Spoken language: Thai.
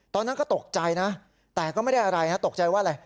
ตอนนั้นก็ตกใจนะแต่ก็ไม่ได้อะไรนะตกใจว่าอะไร